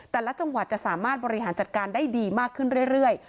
แต่ละจังหวัดจะสามารถบริหารจัดการได้ดีมากขึ้นเรื่อย